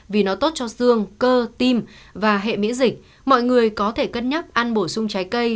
vì nó tốt cho xương cơ tim và hệ miễn dịch mọi người có thể cân nhắc ăn bổ sung trái cây